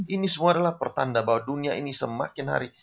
ini semua adalah pertanda bahwa dunia ini semakin hari